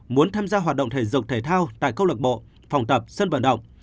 muốn tham gia hoạt động thể dục thể thao tại công lực bộ phòng tập sân vận động